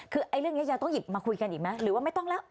คือเรื่องนี้ยังต้องหยิบมาคุยกันอีกไหมหรือว่าไม่ต้องแล้ว